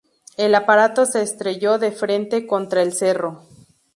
El aparato se estrelló de frente contra el cerro.